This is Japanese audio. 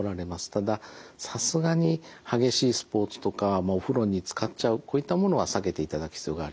たださすがに激しいスポーツとかお風呂につかっちゃうこういったものは避けていただく必要があります。